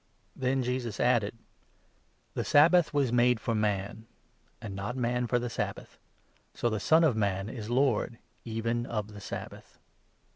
" Then Jesus added : 27 "The Sabbath was made for man, and not man for the Sabbath ; so the Son of Man is lord even of the Sabbath."